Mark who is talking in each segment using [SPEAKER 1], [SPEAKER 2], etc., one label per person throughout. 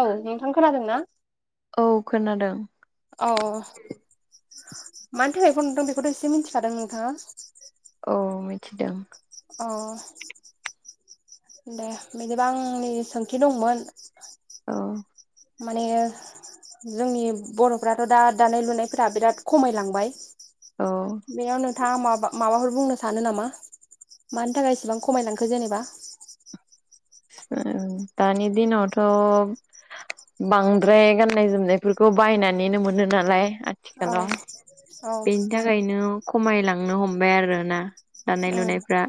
[SPEAKER 1] औ नोंथां खोनादों ना?
[SPEAKER 2] औ खोनादों।
[SPEAKER 1] औ मानि थाखाय फन हरदों बेखौथ' एसे मिथिखादों नोंथाङा।
[SPEAKER 2] औ मिथिदों।
[SPEAKER 1] अ दे बिदिबा आंनि सोंखथ दंमोन
[SPEAKER 2] औ ‌।
[SPEAKER 1] माने जोंनि बर'फ्राथ' दा दानाय - लुनायफोरा बिराद खमायलांबाय
[SPEAKER 2] औ
[SPEAKER 1] बेयाव नोंथाङा माब बा माबाफोर बुंनो सानो नामा मानि थाखाय इसेबां खमायलांखो जेनेबा?
[SPEAKER 2] ओं दानि दिनावथ' बांद्राय गाननाय - जोमनायफोरखौ बायनानैनो मोनो नालाय
[SPEAKER 1] औ
[SPEAKER 2] थिखालाव
[SPEAKER 1] औ
[SPEAKER 2] बेनि थाखायनो खमायलांनो हमबाय आरोना दानाय
[SPEAKER 1] उम
[SPEAKER 2] लुनायफ्रा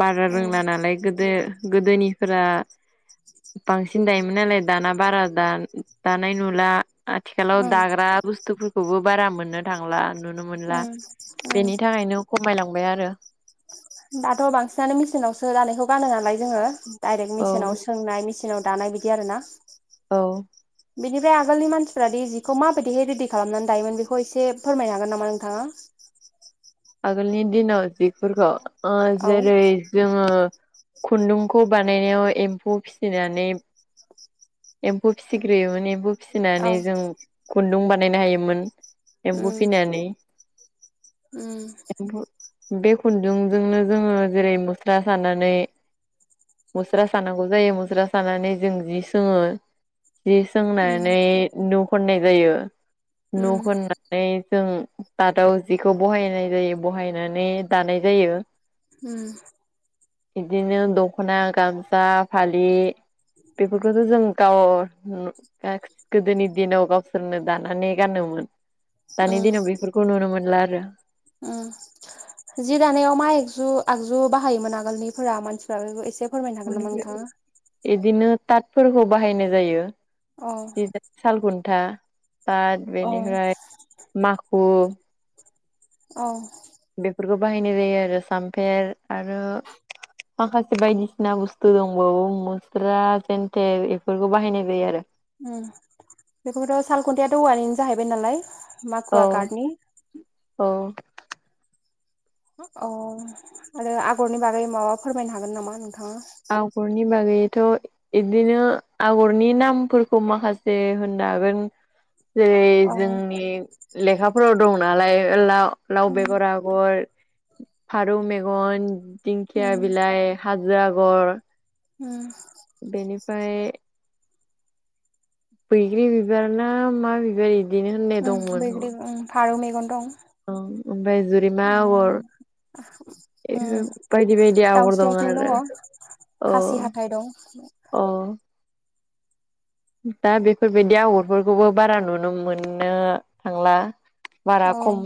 [SPEAKER 2] बारा
[SPEAKER 1] उम
[SPEAKER 2] रोंला नालाय गोदो गोदोनिफ्रा बांसिन दायोमोन नालाय दाना बारा दान-दानाय नुला आथिखालाव
[SPEAKER 1] उम
[SPEAKER 2] दाग्रा बुस्थुफोरखौबो बारा मोननो थांला नुनो मोनला
[SPEAKER 1] उम उम
[SPEAKER 2] बेनि थाखायनो खमायलांबाय आरो।
[SPEAKER 1] दाथ' बांसिनानो मेसिनावसो दानायखौ गानो नालाय जोङो डाइरेक्ट
[SPEAKER 2] औ
[SPEAKER 1] मेचनाव सोंनाय मिस चिनाव दानाय बिदि आरो ना।
[SPEAKER 2] औ।
[SPEAKER 1] बिनिफ्राय आगोलनि मानसिफ्रा दि जिखौ माबायदिहाय रेडि खालामनानै दायोमोन बेखौ एसे फोरमायनो हागोन नामा नोंथाङा? [unintelligible]
[SPEAKER 2] आगोलनि दिनाव जिफोरखौ
[SPEAKER 1] औ
[SPEAKER 2] जेरै जोङो खुन्दुंखौ बानायनायाव एम्फौ फिसिनानै एम्फौ फिसिग्रोयोमोन एम्फौ
[SPEAKER 1] औ
[SPEAKER 2] फिसिनानै जों खुन्दुं बानायनो हायोमोन एम्बु फिनानै
[SPEAKER 1] उ।
[SPEAKER 2] एम्फौ बे खुन्दुंजोंनो जोङो जेरै मुसरा सानानै मुस्रा सानांगौ जायो मुस्रा सानानै जों जि सोङो जि
[SPEAKER 1] उम
[SPEAKER 2] सोंनानै न' होननाय जायो न'
[SPEAKER 1] उम
[SPEAKER 2] होननानै जों दादाव जिखौ बहायनाय जायो बहायनानै दानाय जायो
[SPEAKER 1] उ।
[SPEAKER 2] इदिनो दख'ना, गामसा फालि बेफोरखोथ' जों गाव गोदोनि दिनाव गावसोरनो दानानै गानोमोन दानि
[SPEAKER 1] उम
[SPEAKER 2] दिनाव बेफोरखौ नुनो मोनला आरो
[SPEAKER 1] उम जि दानायाव मा एगजु आगजु बाहायोमोन आगोलनिफोरा मानसिफ्राबो एसे फोरमायनो हागोन
[SPEAKER 2] मान
[SPEAKER 1] नामा नोंथाङा?
[SPEAKER 2] एदिनो तातफोरखौ बाहायनाय जायो
[SPEAKER 1] अ
[SPEAKER 2] जि सालखुन्था ओ दा
[SPEAKER 1] अ
[SPEAKER 2] बेनिफ्राय माखु
[SPEAKER 1] अ
[SPEAKER 2] बेफोरखौ बाहायनाय जायो आरो सामफेर आरो माखासे बायदिसिना बुस्थु दंबावो मुस्रा जन्थेल बेफोरखौ बाहायनाय जायो आरो।
[SPEAKER 1] उम बेखौबोथ' सालखुन्थियायाथ' औवानिनो जाहैबाय नालाय माखुवा
[SPEAKER 2] आरो
[SPEAKER 1] खारटनि
[SPEAKER 2] औ औ
[SPEAKER 1] अ आरो आगरनि बागै माबा फोरमायनो हागोन नामा नोंथाङा?
[SPEAKER 2] आगरनि बागैथ' इदिनो आगरनि नामफोरखौ माखासे होनना जागोन जेरै
[SPEAKER 1] औ
[SPEAKER 2] जोंनि लेखाफोराव दं नालाय लाव लाव
[SPEAKER 1] उम
[SPEAKER 2] बेगर आगर फारौ मेगन दिंखिया
[SPEAKER 1] उम
[SPEAKER 2] बिलाइ हाजो आगर
[SPEAKER 1] उम
[SPEAKER 2] बेनिफ्राय बैग्रि बिबार ना मा बिबार बिदिनो होननाय
[SPEAKER 1] उम
[SPEAKER 2] दंमोन।
[SPEAKER 1] बैग्रि उम फारौ मेगन दं
[SPEAKER 2] अ ओमफाय जुरिमा आगर
[SPEAKER 1] उम उम
[SPEAKER 2] बेफोर बायदि बायदि आगर
[SPEAKER 1] दाउस्रि
[SPEAKER 2] दं
[SPEAKER 1] आथिं
[SPEAKER 2] आरो
[SPEAKER 1] दङ
[SPEAKER 2] औ।
[SPEAKER 1] खासि हाथाइ दं
[SPEAKER 2] अ दा बेफोरबायदि आगरफोरखौबो बारा नुनो मोननो थांला। बारा
[SPEAKER 1] औ
[SPEAKER 2] खम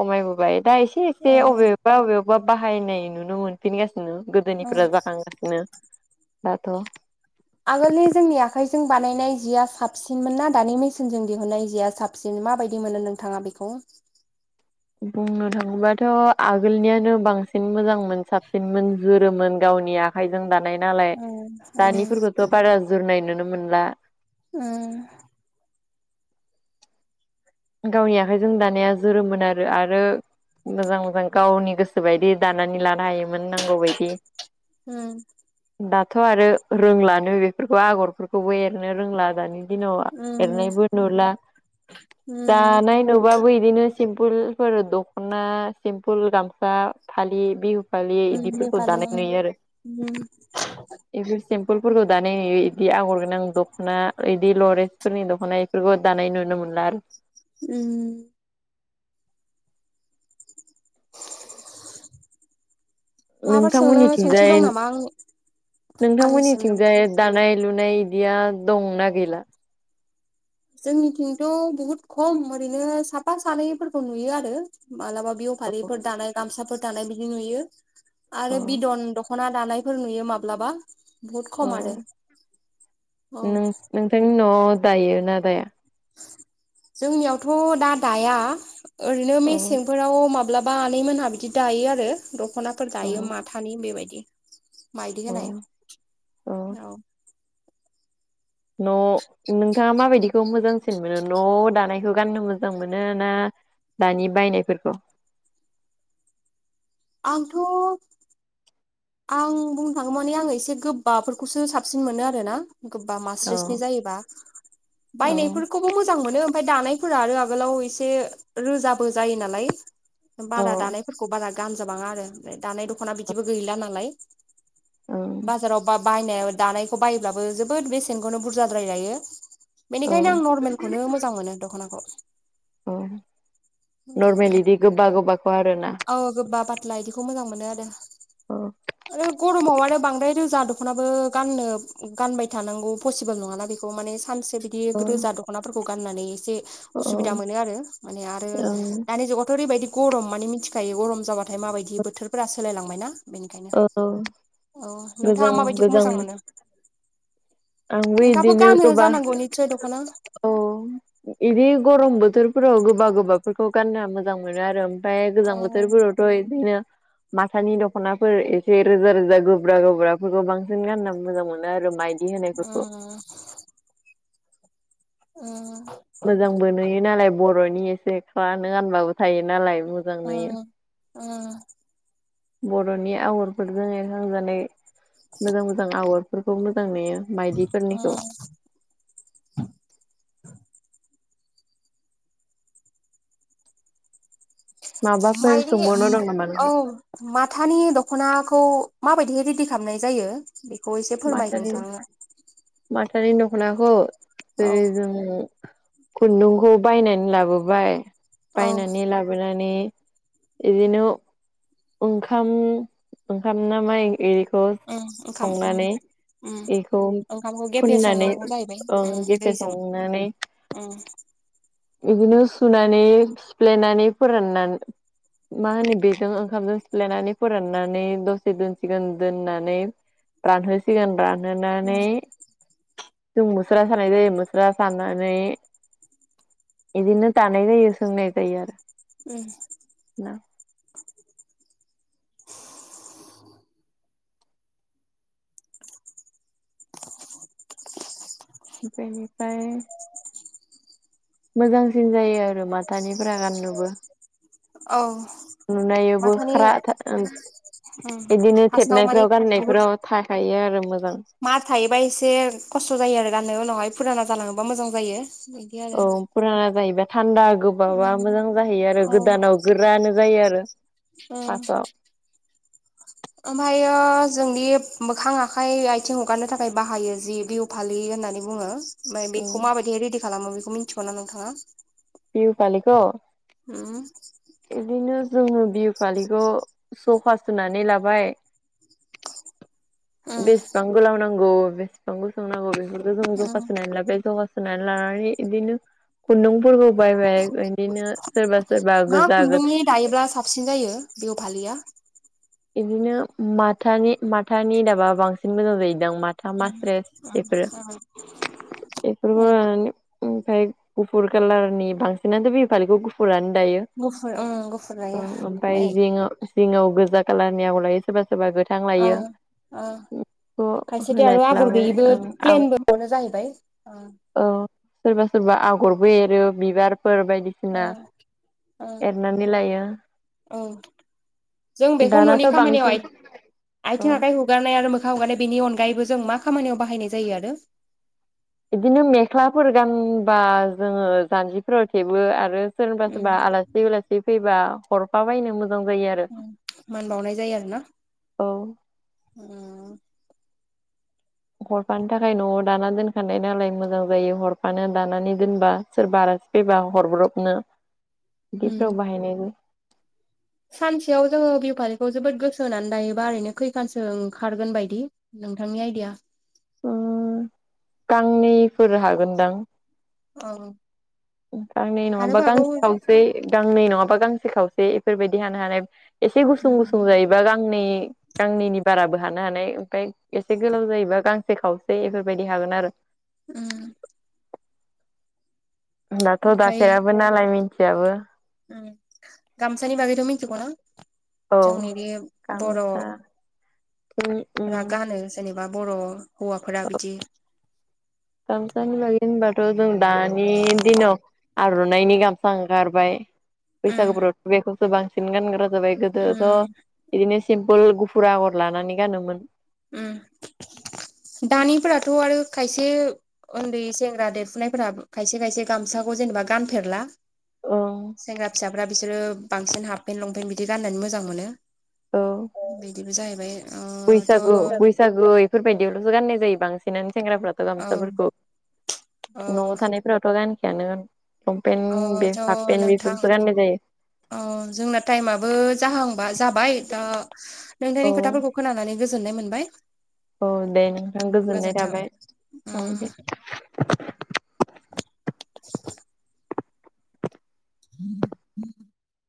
[SPEAKER 2] खमायबोबाय दा एसे
[SPEAKER 1] औ
[SPEAKER 2] एसे अबेबा अबेवावबा अबा बाहायनाय नुनो मोनफिनगासिनो
[SPEAKER 1] औ
[SPEAKER 2] गोदोनिफोरा जाखांगासिनो दा थ'
[SPEAKER 1] आगोलनि जोंनि आखाइजों बानायनाय जिया साबसिनमोन ना दानि मेसिनजों दिहुननाय जिया साबसिन? माबायदि मोनो नोंथाङा बिखौ?
[SPEAKER 2] बुंनो थाङोबाथ' आगोलनियानो बांसिन मोजांमोन साबसिनमोन जुरोमोन गाव गावनि आखाइजों दानाय नालाय
[SPEAKER 1] उम उम
[SPEAKER 2] दानिफोरखौथ' बारा जुरनाय नुनो मोनला।
[SPEAKER 1] उम
[SPEAKER 2] गावनि आखाइजों दानाया जोरोमोन आरो आरो मोजां मोजां गावनि गोसो बायदि दानानै लानो हायो मोन नांगौ बायदि
[SPEAKER 1] उम
[SPEAKER 2] दाथ' आरो रोंलानो बे फोरखौ आगरफोरखौबो एरनो रोंला दानि दिनाव
[SPEAKER 1] उम
[SPEAKER 2] एरनायबो नुला।
[SPEAKER 1] उम
[SPEAKER 2] दानाय नुबा बो बिदिनो सिमपोलफोर दख'ना सिम्पोल गामसा फालि बिहु फालि
[SPEAKER 1] उम
[SPEAKER 2] इदिफोरखौ
[SPEAKER 1] नेपालि
[SPEAKER 2] दानाय
[SPEAKER 1] उम
[SPEAKER 2] नुयो आरो
[SPEAKER 1] उम
[SPEAKER 2] [unintelligible] सिम्पोलफोरखौ दानाय नुयो इदि आगरगोनां दख'ना बिदि लरेेजफोरनि दख'ना बेफोरखौ दानाय नुनो नो मोनला आरो।
[SPEAKER 1] उम माबाफोर सोंनो सोंथि
[SPEAKER 2] नोंथांमोननिथिंजाय
[SPEAKER 1] दं नामा आं आंनिसिमनो
[SPEAKER 2] नोंथांमोननिथिंजाय दानाय लुनाय इदिया दंना गैला?
[SPEAKER 1] जोंनिथिंथ' बुहुत खम ओरैनो साफा सानैफोरखौ नुयो आरो। मालाबा बिहु फालिफोर दानाय गामसाफोर दानाय बिदि नुयो
[SPEAKER 2] अ
[SPEAKER 1] आरो बिदन दख'ना दानायफोर नुयो माब्लाबा। बहुद खम
[SPEAKER 2] औ
[SPEAKER 1] आरो औ
[SPEAKER 2] नोंथांनि न'आव दायो ना दाया?
[SPEAKER 1] जोंनियावथ' दा दाया ओरैनो
[SPEAKER 2] औ
[SPEAKER 1] मेसेंफोराव माबा माब्लाबा आनैमोनहा बिदि दायो आरो दख'नाफोर
[SPEAKER 2] औ
[SPEAKER 1] दायो माथानि बेबायदि। माइदि
[SPEAKER 2] औ
[SPEAKER 1] होनाय औ।
[SPEAKER 2] न' नोंथाङा माबायदिखौ मोजांसिन मोनो न'आव दानायखौ गाननो मोजां मोनो ना दानि बायनायफोरखौ?
[SPEAKER 1] [inaudible] आंथ' आं बुंनो थाङो माने आङो एसे गोबबाफोरखौसो साबसिन मोनो आरो ना। गोबबा
[SPEAKER 2] औ
[SPEAKER 1] मास्रिसनि जायोबा
[SPEAKER 2] औ
[SPEAKER 1] बायनायफोरखौबो मोजां मोनो ओमफ्राय दानाय फोरा आरो आगोलाव एसे रोजाबो जायो नालाय
[SPEAKER 2] औ
[SPEAKER 1] बारा दानायफोरखौ बारा गानजाबाङा आरो दानाय दख'ना बिदिबो गैला नालाय
[SPEAKER 2] औ
[SPEAKER 1] बाजाराव बा बायनाय दानायखौ बायोब्लाबो जोबोद बेसेनखौनो बुरजाद्राय लायो।
[SPEAKER 2] औ
[SPEAKER 1] बेनिखायनो आं नरमेलखौनो मोजां मोनो दख'नाखौ
[SPEAKER 2] औ
[SPEAKER 1] उम उम
[SPEAKER 2] नर्मेल
[SPEAKER 1] म
[SPEAKER 2] इदि गोबा गोबाखौ आरोना
[SPEAKER 1] औ गोबा पतला बिदिखौ मोजां मोनो आरो।
[SPEAKER 2] औ।
[SPEAKER 1] गरमाव आरो आरो बांद्राय रोजा दखनाबो गाननो गानबाय थानांगौ पसिबोल नङाना। बेखौ माने सानसे बिदि
[SPEAKER 2] औ
[SPEAKER 1] रोजा दख'नाफोरखौ गाननानै एसे
[SPEAKER 2] औ
[SPEAKER 1] असुबिदा मोन आरो। माने आरो
[SPEAKER 2] औ
[SPEAKER 1] दानि जुगावथ' ओरैबायदि गरम मिथिखायो गरम जाबा थाय माबायदि बोथोरफोरा सोलायलांबाय ना। ओंखायनो।
[SPEAKER 2] औ
[SPEAKER 1] औ नोंथाङा
[SPEAKER 2] गोजां
[SPEAKER 1] माबायदिखौ
[SPEAKER 2] गोजां
[SPEAKER 1] मोजां मोनो?
[SPEAKER 2] आंबो
[SPEAKER 1] नोंथाङाबो
[SPEAKER 2] बिदिनो
[SPEAKER 1] गानो
[SPEAKER 2] गोबा
[SPEAKER 1] जानांगौ निस्सय दख'ना
[SPEAKER 2] औ बिदि गरम बोथोर फोराव गोबा गोबाफोरखौ गाननो मोजां मोनो आरो। ओमफ्राय
[SPEAKER 1] औ
[SPEAKER 2] गोजां बोथोरफोरावथ' बिदिनो माथानि दखना फोर एसे रोजा रोजा गोब्रा गोब्राफोरखौ बांसिन गाननानै मोजां मोनो आरो माइदि होनायफोरखौ
[SPEAKER 1] उम उम
[SPEAKER 2] मोजांबो नुयो नालाय बर'नि एसे फ्रानो गानबाबो थायो नालाय। मोजां नुयो
[SPEAKER 1] उम उम।
[SPEAKER 2] बर'नि आगरफोरजों एरखांजानाय मोजां मोजां आगरफोरखौ मोजां नुयो। बायदिफोरनिखौ
[SPEAKER 1] उम
[SPEAKER 2] माबाफोर
[SPEAKER 1] माइदि
[SPEAKER 2] सोंबावनो दं नामा
[SPEAKER 1] औ
[SPEAKER 2] नोंथां
[SPEAKER 1] माथानि दख'नाखौ माबायदियै रेडि खालामनाय जायो बेखौ एसे फोरमाय नोंथाङा।
[SPEAKER 2] मायदि दखनाखौ
[SPEAKER 1] औ
[SPEAKER 2] जेरै जों खुन्दुंखौ बायनानै लाबोबाय
[SPEAKER 1] औ
[SPEAKER 2] बायनानै लाबोनानै बिदिनो ओंखाम ओंखाम नामा
[SPEAKER 1] उम ओंखाम उम उम
[SPEAKER 2] बेखौ
[SPEAKER 1] ओंखामखौ गेफे
[SPEAKER 2] फुननानै
[SPEAKER 1] संनांगौ
[SPEAKER 2] ओं
[SPEAKER 1] जाहैबाय
[SPEAKER 2] गेफे
[SPEAKER 1] दैजों
[SPEAKER 2] संनानै
[SPEAKER 1] उम
[SPEAKER 2] बिदिनो सुनानै सिफ्लेनानै फोराननानै मा होनो बेजों ओंखामजों सिफ्लायनानै फोराननानै दसे दोनसिगोन दोननानै रानहोसिगोन
[SPEAKER 1] उम
[SPEAKER 2] रानहोनानै जों मुस्रा सानाय जायो मुस्रा सानानै बिदिनो दानाय जायो सोंनाय जायो आरो।
[SPEAKER 1] उम
[SPEAKER 2] ना ओमफ्राय बेनिफ्राय मोजांसिन जायो आरो माथानिफ्रा गाननोबो।
[SPEAKER 1] औ
[SPEAKER 2] नुनायावबो
[SPEAKER 1] माथानि
[SPEAKER 2] ख्रा
[SPEAKER 1] उम
[SPEAKER 2] बिदिनो
[SPEAKER 1] फार्स्टआव माने
[SPEAKER 2] थेबनायफ्राव
[SPEAKER 1] बुहुद
[SPEAKER 2] गानायफ्राव थाखायो आरो मोजां
[SPEAKER 1] मार थायोबा एसे खस्थ' जायो आरो गाननो उनावहाय फुराना जालाङोबा मोजां जायो। बिदि आरो
[SPEAKER 2] औ फुराना जायोबा थान्दा गोबाबा
[SPEAKER 1] उम
[SPEAKER 2] मोजां जाहैयो आरो
[SPEAKER 1] औ
[SPEAKER 2] गोदानाव गोरानो जायो आरो।
[SPEAKER 1] उम
[SPEAKER 2] फार्स्टआव
[SPEAKER 1] ओमफ्रायो जोंनि मोखां आखाइ आथिं हगारनो थाखाय बाहायो जि बिहु फालि होननानै बुङो ओमफ्राय
[SPEAKER 2] उम
[SPEAKER 1] बेखौ माबायदिहाय रेडि खालामो बेखौ मिन्थिगौ ना नोंथाङा?
[SPEAKER 2] बिहु फालिखौ
[SPEAKER 1] ओम
[SPEAKER 2] बिदिनो जोङो बिहु फालिखौ सखा सुनानै लाबाय। बेसेबां गोलाव नांगौ बेसेबां गोुसुं नांगौ बेफोरखौ जों जखा
[SPEAKER 1] उम
[SPEAKER 2] सुनानै लाबाय ज' सुनानै लानानै इदिनो खुन्दुंफोरखौ बायबाय बिदिनो सोरबा सोरबा
[SPEAKER 1] मा
[SPEAKER 2] गोजा गो
[SPEAKER 1] खुन्दुंनि दायोब्ला साबसिन जायो बिहु फालिया
[SPEAKER 2] बिदिनो माथानि माथानि दाबा बांसिन मोजां जायो। दां माथाम मासरे बेफोरो
[SPEAKER 1] उम
[SPEAKER 2] एफोराय [unintelligible] गुफुर कालारनि बांसिनानो बिहु फालिखौ गुफुरानो दायो
[SPEAKER 1] गुफुर उम गुफुर लायो
[SPEAKER 2] ओमफ्राय जि जिङआव गोजा कालारनि आगर लायो सोरबा सोरबा गोथां
[SPEAKER 1] ओ
[SPEAKER 2] लायो।
[SPEAKER 1] ओ
[SPEAKER 2] थ'
[SPEAKER 1] खायसेथि आरो
[SPEAKER 2] होनानै
[SPEAKER 1] आगर
[SPEAKER 2] लाबाय
[SPEAKER 1] गैयिबो
[SPEAKER 2] ओं औ
[SPEAKER 1] प्लेनबोनो जाहैबाय
[SPEAKER 2] सोरबा सोरबा आगरबो एरो बिबार फोर बायदिसिना
[SPEAKER 1] ओं ओं
[SPEAKER 2] एरनानै लायो।
[SPEAKER 1] ओं जों बेखौ न'नि
[SPEAKER 2] दानाथ'
[SPEAKER 1] खामानियाव
[SPEAKER 2] बांसिन अ
[SPEAKER 1] आथिं आखाइ हुगारनाय आरो मोखां हुगारनाय बेनि बिनि अनगायैबो जों मा खामानियाव बाहायनाय जायो आरो?
[SPEAKER 2] बिदिनो मेख्लाफोर गानबा जोङो जान्जिफोराव थेबो आरो, सोरबा
[SPEAKER 1] उम
[SPEAKER 2] सोरबा आलासि उलासि फैबा हरफा बायनो मोजां। जायो आरो
[SPEAKER 1] मान बावनाय जायो आरो
[SPEAKER 2] औ
[SPEAKER 1] ना।
[SPEAKER 2] हरफानो थाखाय न'आव दाना दोनखानाय नालाय मोजां जायो हरफानो दानानै दोनबा सोरबा आलासि फैबा हरब्रबनो
[SPEAKER 1] [unintelligible]
[SPEAKER 2] दिब गाव बाहायनायनि
[SPEAKER 1] सानसेयाव जोङो बिहु फारिखौ जोबोद गोसो होनानै दायोबा ओरैनो खैखानसो ओंखारगोन बायदि? नोंथांनि आइडिया
[SPEAKER 2] उम गांनैफोर हागोनदां।
[SPEAKER 1] औ
[SPEAKER 2] गांनै नङाबा
[SPEAKER 1] हानोबो हागौ
[SPEAKER 2] गांसे
[SPEAKER 1] ओमफ्राय
[SPEAKER 2] खावसै गांनै नङाबा गांसे सोखावसे एफोरबायदि हानो हानाय एसे गुसुं गुसुं जायोबा गांनै गांनैनि बाराबो। हानो हानाय ओमफ्राय एसे गोलाव जायोबा गांसे खावसे एफोरबायदि हागोन आरो। दाथ' दाफेराबो नालाय मिथियाबो।
[SPEAKER 1] गामसानि बागैथ' मोनथिगौना?
[SPEAKER 2] औ गामफ
[SPEAKER 1] बर'फ्रा
[SPEAKER 2] [unintelligible]
[SPEAKER 1] बा बर' हौवाफोरा बिदि
[SPEAKER 2] गामसानि बागै होनबाथ' जों दानि दिनाव आर'नानायनि गामसा ओं खारबाय। बैसागुफोरावथ' बेखौसो बांसिन गानग्रा जाबाय गोदोथ' बिदिनो सिमपोल गुफुर आगर लानानै गानोमोन।
[SPEAKER 1] उम। दानिफोराथ' आरो खायसे उन्दै सेंग्रा देरफुनायफोरा खायसे खायसे गामसाखौ जेनेबा गानफेरला।
[SPEAKER 2] औ
[SPEAKER 1] सेंग्रा फिसाफ्रा बिसोरो बांसिन हाफपेन्ट लंपेन्ट बिदि गाननानै मोजां मोनो।
[SPEAKER 2] औ।
[SPEAKER 1] बे जाहैबाय ओ थ' औ
[SPEAKER 2] बैसागु बैसागु इफोरबायदियावल'सो गाननाय जायो बांसिनानो। सेंग्राफ्राथ'
[SPEAKER 1] औ
[SPEAKER 2] गामसाफोरखौ न'आव थानायफोरावथ' गानखायानो
[SPEAKER 1] औ
[SPEAKER 2] पेन्ट बे
[SPEAKER 1] थ'
[SPEAKER 2] हाफ पेन
[SPEAKER 1] नोंथां
[SPEAKER 2] बेफोरफोरखौ गाननाय जायो।
[SPEAKER 1] औ जोंना टाइमाबबो जाहांबा जाबाय दा
[SPEAKER 2] औ
[SPEAKER 1] नोंथांनि खोथाफोरखौ खोनानानै गोजोननाय मोनबाय
[SPEAKER 2] औ दे नोंथां गोजोननाय थाबाय
[SPEAKER 1] गोजोन्थों
[SPEAKER 2] औ दे
[SPEAKER 1] [inaudible] [inaudible]